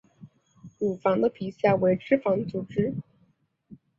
乳房的皮下为脂肪组织。